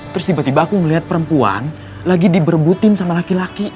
terus tiba tiba aku ngeliat perempuan lagi diberbutin sama laki laki